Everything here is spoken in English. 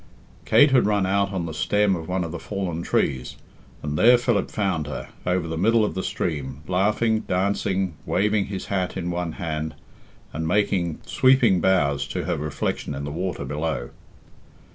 Kate had run out on the stem of one of the fallen trees, and there Philip found her, over the middle of the stream, laughing, dancing, waving his hat in one hand, and making sweeping bows to her reflection in the water below.